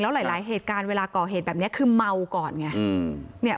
หลายเหตุการณ์เวลาก่อเหตุแบบนี้คือเมาก่อนไง